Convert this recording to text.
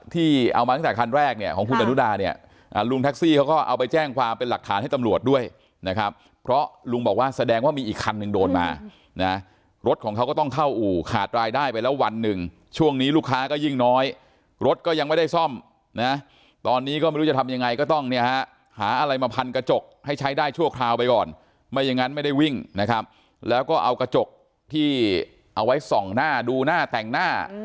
ทำเป็นหลักฐานให้ตำรวจด้วยนะครับเพราะลุงบอกว่าแสดงว่ามีอีกคันนึงโดนมานะรถของเขาก็ต้องเข้าอู่ขาดรายได้ไปแล้ววันหนึ่งช่วงนี้ลูกค้าก็ยิ่งน้อยรถก็ยังไม่ได้ซ่อมนะตอนนี้ก็ไม่รู้จะทำยังไงก็ต้องเนี่ยหาอะไรมาพันกระจกให้ใช้ได้ชั่วคราวไปก่อนไม่อย่างงั้นไม่ได้วิ่งนะครับแล้วก็เอากระจกที่เอาไว้ส่องหน้